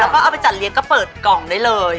แล้วก็เอาไปจัดเลี้ยงก็เปิดกล่องได้เลย